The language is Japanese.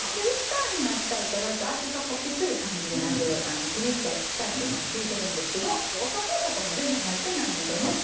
ウスターになっちゃうと割と味がきつい感じになるピリッとスパイスとかも利いてるんですけどお砂糖とかも全然入ってないのでね。